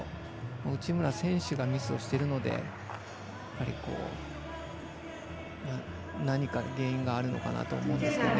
内村選手がミスをしてるので何か原因があるのかなと思うんですけどね。